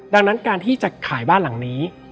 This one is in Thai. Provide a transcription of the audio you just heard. ดังนั้นการที่จะขายบ้านหลังนี้